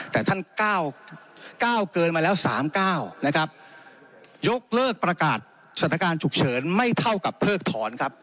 แต่ท่านก้าวเกินมาแล้ว๓๙นะครับยกเลิกประกาศสถานการณ์ฉุกเฉินไม่เท่ากับเพิกถอนครับ